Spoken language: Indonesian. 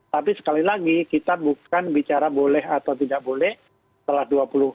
tapi sekali lagi kita bukan bicara boleh atau tidak boleh setelah dua puluh